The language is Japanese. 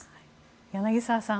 柳澤さん